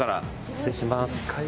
失礼します。